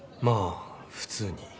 「まあ普通に」。